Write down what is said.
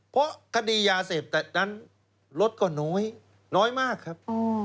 เพราะคดียาเสพแต่นั้นรถก็น้อยน้อยมากครับ